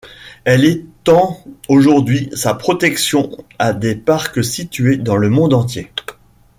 Elle étend aujourd'hui sa protection à des parcs situés dans le monde entier.